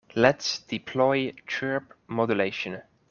Let's deploy chirp modulation.